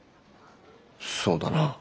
そうだな。